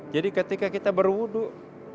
jadi ketika kita berwuduk